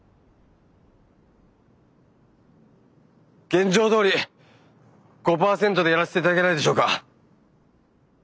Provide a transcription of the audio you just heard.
現状どおり５％でやらせていただけないでしょうか。